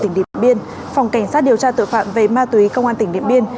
tỉnh điện biên phòng cảnh sát điều tra tội phạm về ma túy công an tỉnh điện biên